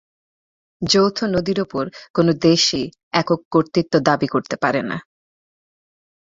যৌথ নদীর ওপর কোনো দেশই একক কর্তৃত্ব দাবি করতে পারে না।